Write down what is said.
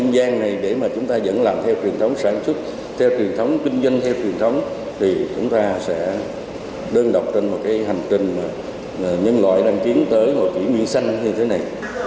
nhân loại đang chiến tới một kỷ nguyên xanh như thế này